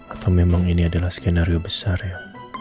atau memang ini adalah skenario besar ya